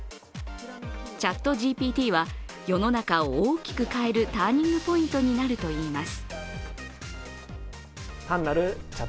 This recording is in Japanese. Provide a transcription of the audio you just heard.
ＣｈａｔＧＰＴは、世の中を大きく変えるターニングポイントになるといいます。